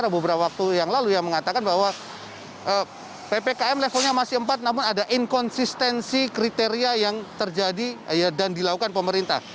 dan juga ada beberapa asisten kriteria yang terjadi dan dilakukan pemerintah